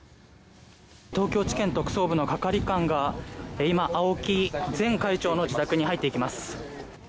東京地検特捜部の係官が今、青木前会長の自宅に入っていきます。